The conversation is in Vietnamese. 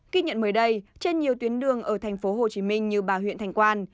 ký nhận mới đây trên nhiều tuyến đường ở thành phố hồ chí minh như bà huyện thành quan